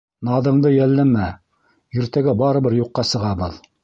Наҙыңды йәлләмә, иртәгә барыбер юҡҡа сығабыҙ.